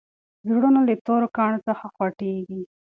زړونه له تورو کاڼو څخه خوټېږي.